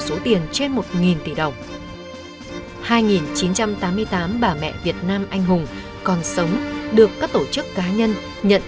số tiền trên một tỷ đồng hai chín trăm tám mươi tám bà mẹ việt nam anh hùng còn sống được các tổ chức cá nhân nhận